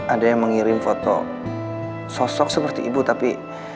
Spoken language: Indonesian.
ada yang mengirim foto sosok seperti ibu tapi